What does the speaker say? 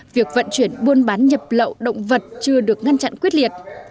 việc vận chuyển buôn bán nhập lậu động vật chưa được ngăn chặn quyết liệt